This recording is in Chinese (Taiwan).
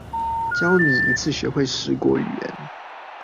教你一次學會十國語言